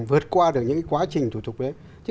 vượt qua được những quá trình thủ tục đấy